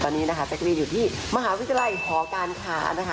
ตอนนี้นะคะแจ๊กรีนอยู่ที่มหาวิทยาลัยหอการค้านะคะ